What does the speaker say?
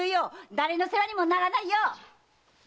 誰の世話にもならないよ‼